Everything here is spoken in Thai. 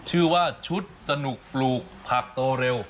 ชื่อว่าชุดสนุกปลูกผักโตเร็ว